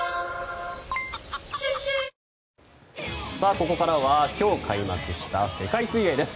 ここからは今日開幕した世界水泳です。